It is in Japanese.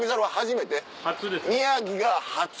宮城が初。